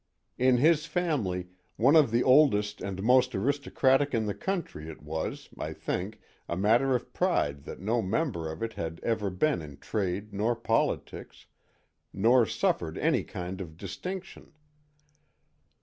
In his family, one of the oldest and most aristocratic in the country, it was, I think, a matter of pride that no member of it had ever been in trade nor politics, nor suffered any kind of distinction.